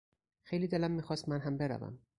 خیلی دلم میخواست من هم بروم.